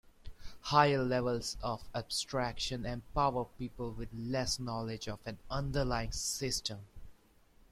Higher levels of abstraction empower people with less knowledge of an underlying system.